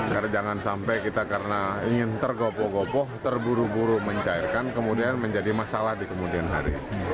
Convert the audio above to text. karena jangan sampai kita karena ingin tergopoh gopoh terburu buru mencairkan kemudian menjadi masalah di kemudian hari